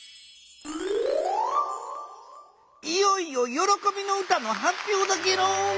いよいよ「よろこびの歌」のはっぴょうだゲロン。